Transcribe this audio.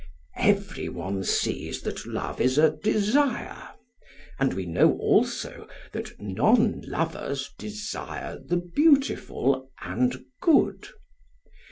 'Every one sees that love is a desire, and we know also that non lovers desire the beautiful and good.